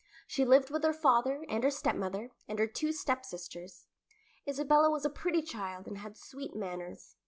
She lived with her father, and her stepmother, and her two stepsisters. Isabella was a pretty child and had sweet manners.